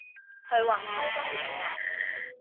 去搵開心嘢吖